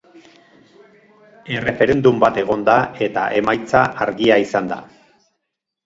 Erreferendum bat egon da eta emaitza argia izan da.